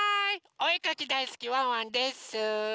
おえかきだいすきワンワンです！